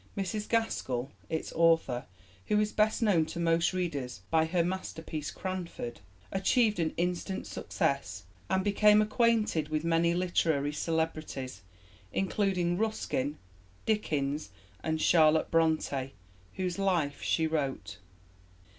Mrs Gaskell, its author, who is best known to most readers by her masterpiece Cranford, achieved an instant success and became acquainted with many literary celebrities, including Ruskin, Dickens, and Charlotte Bronte, whose Life she wrote.